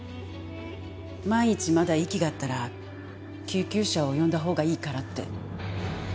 万一まだ息があったら救急車を呼んだほうがいいからって。